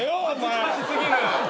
恥ずかしすぎる！